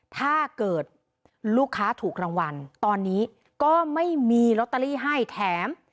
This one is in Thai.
ถ้าเกิดลูกค้าถูกรางวัลตอนนี้ก็ไม่มีลอตเตอรี่ให้แถม